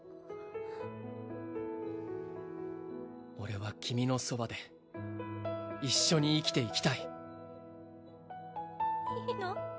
俺は君のそばで一緒に生きていきたいいいの？